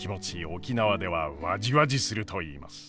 沖縄ではわじわじすると言います。